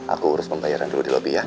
aku urus pembayaran dulu di lobby ya